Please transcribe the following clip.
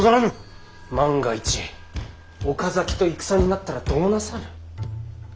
万が一岡崎と戦になったらどうなさる？